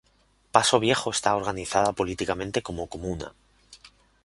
Paso Viejo está organizada políticamente como Comuna.